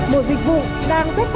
một dịch vụ đang